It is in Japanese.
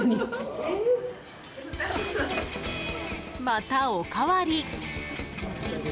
また、おかわり。